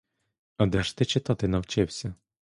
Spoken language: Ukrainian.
А де ж ти читати навчився?